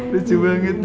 lucu banget ya